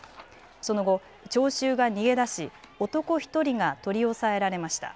その後、聴衆が逃げ出し男１人が取り押さえられました。